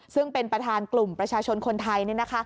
ซึ่งเป็นประธานกลุ่มประชาชนคนไทย